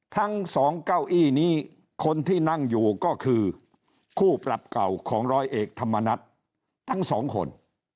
ทั้งสองเก้าอี้นี้คนที่นั่งอยู่ก็คือคู่ปรับเก่าของร้อยเอกธรรมนัฐทั้งสองคน